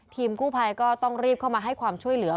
กู้ภัยก็ต้องรีบเข้ามาให้ความช่วยเหลือ